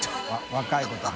若い子は。